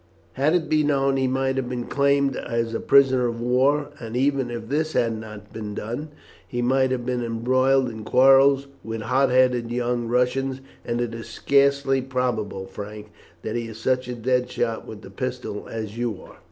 Had it been known, he might have been claimed as a prisoner of war; and even if this had not been done, he might have been embroiled in quarrels with hot headed young Russians; and it is scarcely probable, Frank, that he is such a dead shot with the pistol as you are."